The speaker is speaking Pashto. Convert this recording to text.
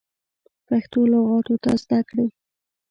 پښتو لغاتونه زده کړی